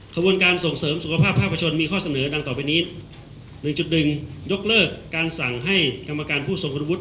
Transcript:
ขบวนการส่งเสริมสุขภาพภาพประชนมีข้อเสนอดังต่อไปนี้๑๑ยกเลิกการสั่งให้กรรมการผู้ทรงคุณวุฒิ